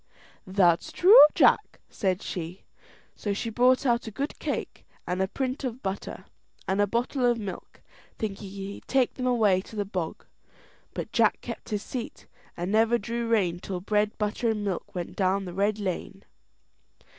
"That's true, Jack," said she. So she brought out a good cake, and a print of butter, and a bottle of milk, thinking he'd take them away to the bog. But Jack kept his seat, and never drew rein till bread, butter, and milk went down the red lane.